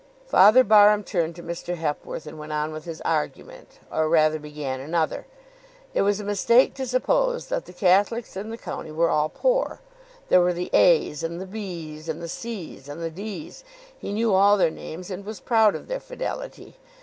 Father Barham turned to Mr. Hepworth and went on with his argument, or rather began another. It was a mistake to suppose that the Catholics in the county were all poor. There were the A s and the B s, and the C s and the D s. He knew all their names and was proud of their fidelity.